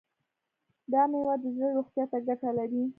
دا میوه د زړه روغتیا ته ګټه لري.